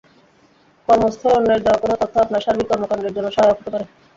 কর্মস্থলে অন্যের দেওয়া কোনো তথ্য আপনার সার্বিক কর্মকাণ্ডের জন্য সহায়ক হতে পারে।